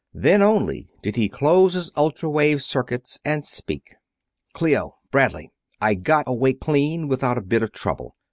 Then only did he close his ultra wave circuits and speak. "Clio, Bradley I got away clean, without a bit of trouble.